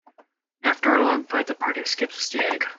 After a long fight, the party escapes with the Egg.